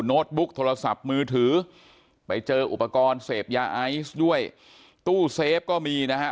บุ๊กโทรศัพท์มือถือไปเจออุปกรณ์เสพยาไอซ์ด้วยตู้เซฟก็มีนะฮะ